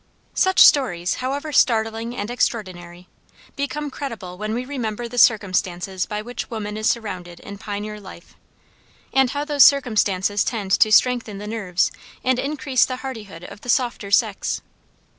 Such stories, however startling and extraordinary, become credible when we remember the circumstances by which woman is surrounded in pioneer life, and how those circumstances tend to strengthen the nerves and increase the hardihood of the softer sex.